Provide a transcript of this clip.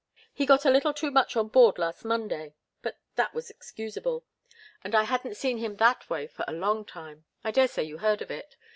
He got a little too much on board last Monday but that was excusable, and I hadn't seen him that way for a long time. I daresay you heard of it?